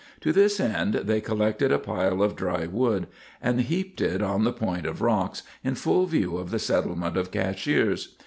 To this end they collected a pile of dry wood, and heaped it on the point of rocks, in full view of the settlement of Cashiers.